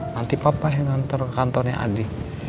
nanti papa yang nantor ke kantornya adi